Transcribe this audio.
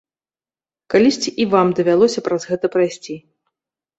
Калісьці і вам давялося праз гэта прайсці.